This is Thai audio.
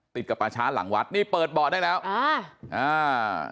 ติดกับป่าช้าหลังวัดนี่เปิดเบาะได้แล้วอ่าอ่า